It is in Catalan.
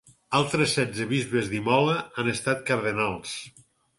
Altres setze bisbes d'Imola han estat cardenals.